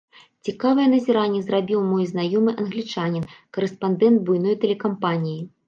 Цікавае назіранне зрабіў мой знаёмы англічанін, карэспандэнт буйной тэлекампаніі.